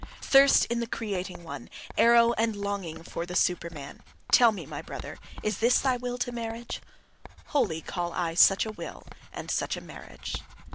Thirst in the creating one, arrow and longing for the Superman: tell me, my brother, is this thy will to marriage? Holy call I such a will, and such a marriage.